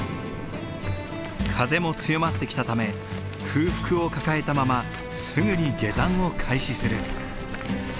風も強まってきたため空腹を抱えたまますぐに下山を開始する。